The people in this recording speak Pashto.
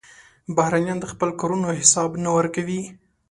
بهرنیان د خپلو کارونو حساب نه ورکوي.